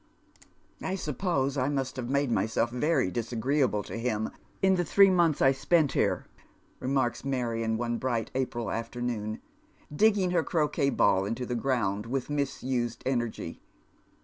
" I suppose I must have made myself very disagreeable to him in the thiee months I spent here," remarks Marion one bright . April afternoon, digging her croquet ball into the ground with misused energy.